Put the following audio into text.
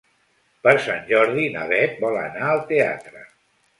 Per Sant Jordi na Beth vol anar al teatre.